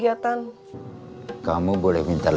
karena kamu diringinkan ya